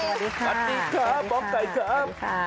สวัสดีค่ะสวัสดีค่ะหมอไก่ครับ